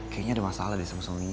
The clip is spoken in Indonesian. kayaknya ada masalah deh sama suaminya